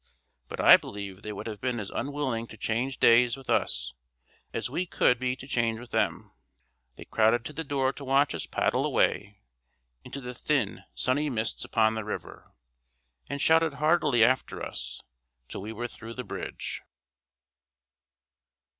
But I believe they would have been as unwilling to change days with us as we could be to change with them. They crowded to the door to watch us paddle away into the thin sunny mists upon the river; and shouted heartily after us till we were through the bridge.